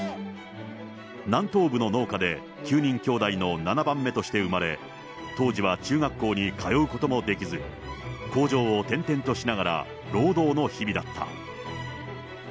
南東部の農家で、９人きょうだいの７番目として生まれ、当時は中学校に通うこともできず、工場を転々としながら労働の日々だった。